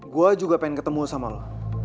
gue juga pengen ketemu sama lo